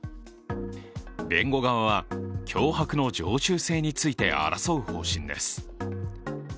弁護側は脅迫の常習性について争う方針です。